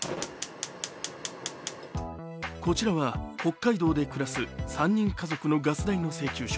こちらは北海道で暮らす３人家族のガス代の請求書。